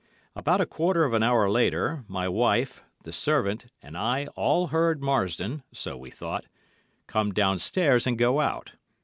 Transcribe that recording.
About a quarter of an hour later, my wife, the servant, and I all heard Marsdon, so we thought, come downstairs and go out.